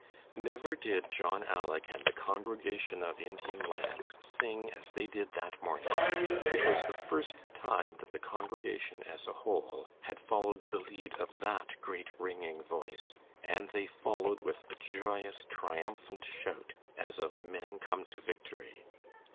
Never did John "Aleck" and the congregation of Indian Lands sing as they did that morning. It was the first time that the congregation, as a whole, had followed the lead of that great ringing voice, and they followed with a joyous, triumphant shout, as of men come to victory.